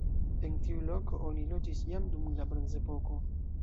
En tiu loko oni loĝis jam dum la bronzepoko.